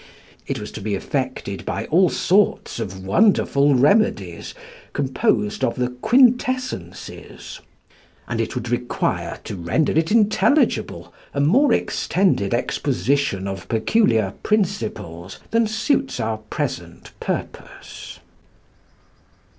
It was to be effected by all sorts of wonderful remedies, composed of the quintessences; and it would require, to render it intelligible, a more extended exposition of peculiar principles than suits our present purpose.